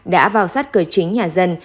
đã vào sát cửa chính nhà dân